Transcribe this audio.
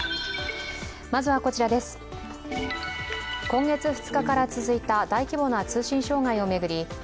今月２日から続いた大規模な通信障害を巡り